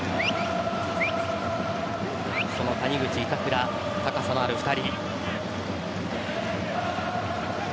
その谷口、板倉高さのある２人。